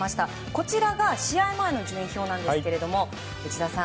こちらが試合前の順位表ですが内田さん